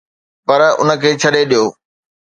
پر ان کي ڇڏي ڏيو.